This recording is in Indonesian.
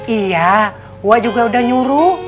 iya gue juga udah nyuruh